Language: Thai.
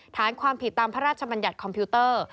ฐานความผิดตามพระราชบัญญัติคอมพิวเตอร์